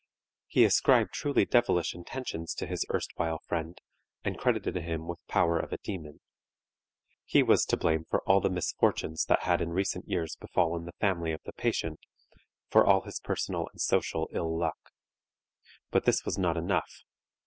He ascribed truly devilish intentions to his erstwhile friend and credited him with power of a demon. He was to blame for all the misfortunes that had in recent years befallen the family of the patient, for all his personal and social ill luck. But this was not enough.